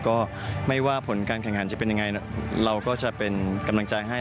ก็ไม่ว่าผลการแข่งขันจะเป็นยังไงเราก็จะเป็นกำลังใจให้